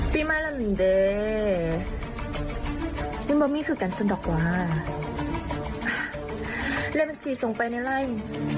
วิเมอมีม์คือกัลสนดดกว๊าเร็วมาสี่สงวงไปในไลน์